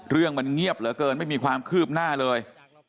เรื่องมันเงียบเหลือเกินไม่มีความคืบหน้าเลย